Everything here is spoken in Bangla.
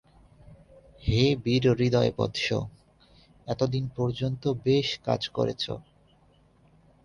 হে বীরহৃদয় বৎস, এতদিন পর্যন্ত বেশ কাজ করেছ।